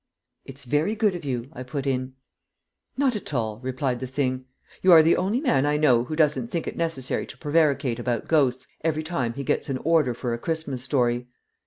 "It's very good of you," I put in. "Not at all," replied the Thing; "you are the only man I know who doesn't think it necessary to prevaricate about ghosts every time he gets an order for a Christmas story.